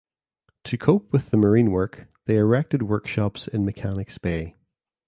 To cope with the marine work they erected workshops in Mechanics Bay.